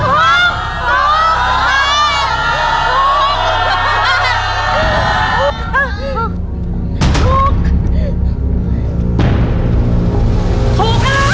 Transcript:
เฮฟเฮฟอัพงาน